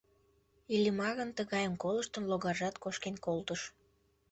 Иллимарын тыгайым колыштын логаржат кошкен колтыш.